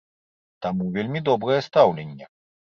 Таму вельмі добрае стаўленне.